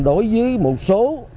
đối với một số